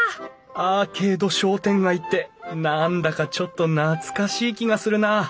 アーケード商店街って何だかちょっと懐かしい気がするな。